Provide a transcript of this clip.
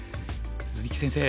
鈴木先生